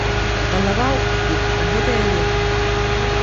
Планаваў іх і на гэтае лета.